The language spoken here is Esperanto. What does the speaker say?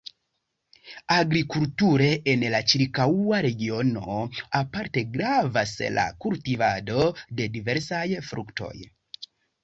Agrikulture en la ĉirkaŭa regiono aparte gravas la kultivado de diversaj fruktoj.